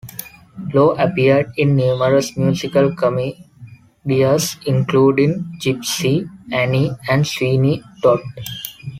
Lor appeared in numerous musical comedies including "Gypsy", "Annie" and "Sweeney Todd".